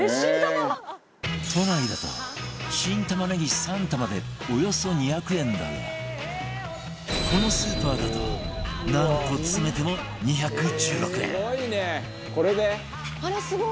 都内だと新玉ねぎ３玉でおよそ２００円だがこのスーパーだとあらすごい！